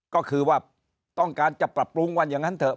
ก็คือว่าต้องการจะปรับปรุงวันอย่างนั้นเถอ